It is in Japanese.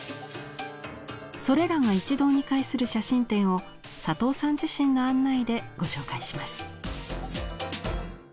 それらが一堂に会する写真展を佐藤さん自身の案内でご紹介します。